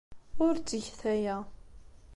Ur ttget aya.